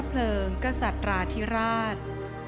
พระเผลิงกษัตราธิราช